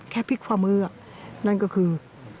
แค่พริกฟ้ามือนั่นก็คือ